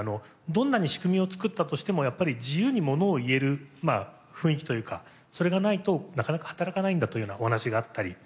どんなに仕組みを作ったとしてもやっぱり自由にものを言える雰囲気というかそれがないとなかなか働かないんだというようなお話があったり。